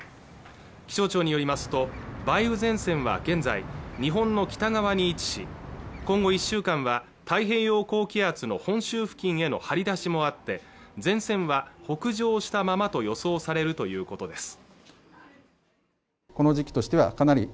気象庁によりますと梅雨前線は現在日本の北側に位置し今後１週間は太平洋高気圧の本州付近への張り出しもあって前線は北上したままと予想されるということです